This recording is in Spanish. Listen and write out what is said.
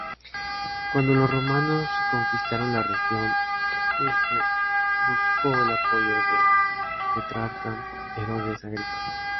Cuando los romanos reconquistaron la región, Justo buscó el apoyo del tetrarca Herodes Agripa.